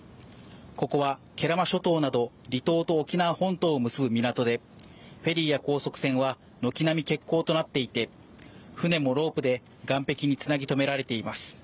ここは慶良間諸島など離島と沖縄本島を結ぶ港でフェリーや高速船は軒並み欠航となっていて船もロープで岸壁につなぎとめられています。